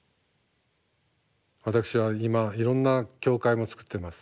私は今いろんな教会も作ってます。